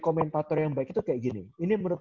komentator yang baik itu kayak gini ini menurut